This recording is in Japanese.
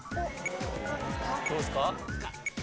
どうですか？